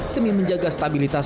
demi menjaga stabilitas